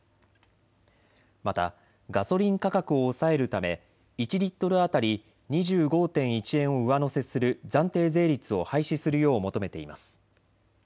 また、ガソリン価格を抑えるため１リットル当たり２５．１円を上乗せする暫定税率を廃止するよう求めています。